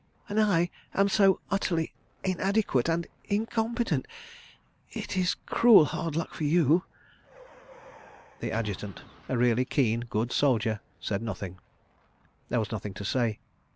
. And I am so utterly inadequate and incompetent. ... It is cruel hard luck for you. ..." The Adjutant, a really keen, good soldier, said nothing. There was nothing to say.